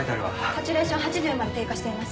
サチュレーション８０まで低下しています。